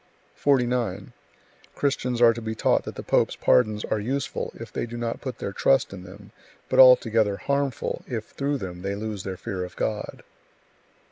49. Christians are to be taught that the pope's pardons are useful, if they do not put their trust in them; but altogether harmful, if through them they lose their fear of God.